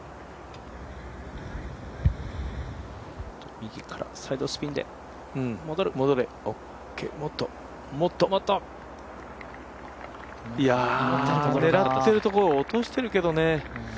右からサイドスピンで、戻る戻れ、もっともっと！狙ってるところに落としてるけどね。